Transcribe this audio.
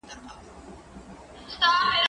زه مړۍ خوړلي ده؟